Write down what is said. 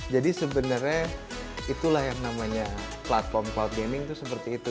jadi sebenarnya itulah yang namanya platform cloud gaming itu seperti itu